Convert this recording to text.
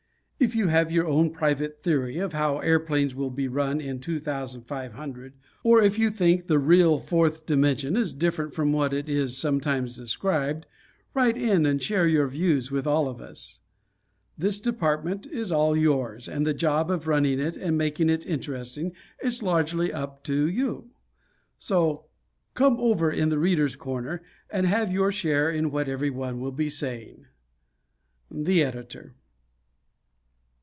If you have your own private theory of how airplanes will be run in 2500, or if you think the real Fourth Dimension is different from what it is sometimes described write in and share your views with all of us. This department is all yours, and the job of running it and making it interesting is largely up to you. So "come over in 'The Readers' Corner'" and have your share in what everyone will be saying. _The Editor.